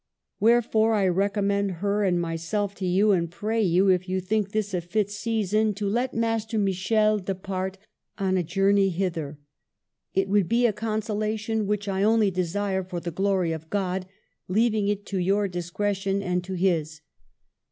Wherefore I recommend her and myself to you, and pray you, if you think this a fit season, to THE AFFAIR OF MEAUX. 5 I let Master Michel depart on a journey hither ; it would be a consolation, which I only desire for the glory of God, leaving it to your discretion and to his.